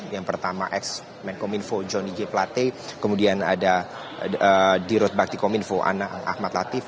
yang pertama ex menkom info johnny g plate kemudian ada dirut bakti kominfo ahmad latif